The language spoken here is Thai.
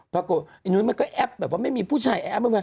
ปรากฏนุ้ยมันก็แอปแบบว่าไม่มีผู้ชายแอป